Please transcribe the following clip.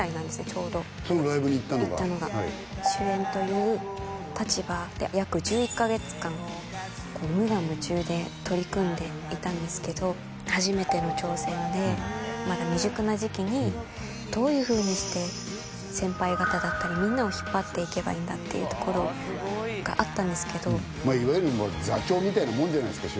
ちょうどそのライブに行ったのが行ったのが主演という立場で約１１か月間無我夢中で取り組んでいたんですけど初めての挑戦でまだ未熟な時期にどういう風にして先輩方だったりみんなを引っ張っていけばいいんだっていうところがあったんですけどまあいわゆる座長みたいなもんじゃないですか